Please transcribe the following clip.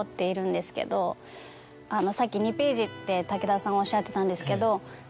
さっき２ページって武田さんおっしゃってたんですけど。